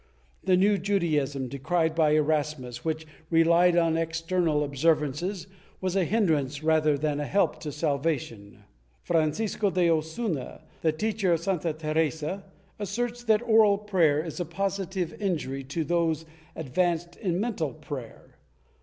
The new Judaism, decried by Erasmus, which relied on external observances, was a hindrance rather than a help to salvation. Francisco de Osuna, the teacher of Santa Teresa, asserts that oral prayer is a positive injury to those advanced in mental prayer.